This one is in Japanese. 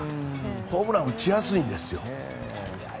ホームラン打ちやすいんです。